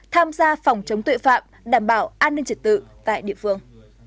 tham gia phòng chống tội phạm đảm bảo an ninh trật tự tại địa phương